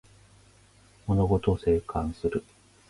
物事を静観する